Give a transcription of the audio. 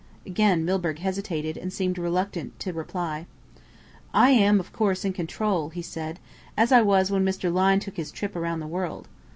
Again Milburgh hesitated, and seemed reluctant to reply. "I am, of course, in control," he said, "as I was when Mr. Lyne took his trip around the world.